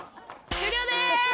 「終了です！」